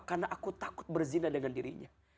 karena aku takut berzinah dengan dirinya